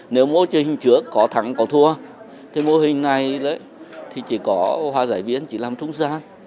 nếu mô hình trước có thắng có thua thì mô hình này thì chỉ có hòa giải viên chỉ làm trung gian